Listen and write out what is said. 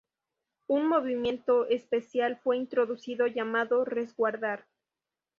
Un movimiento especial fue introducido llamado Resguardar.